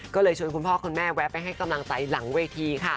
ก็เลยชวนคุณพ่อคุณแม่แวะไปให้กำลังใจหลังเวทีค่ะ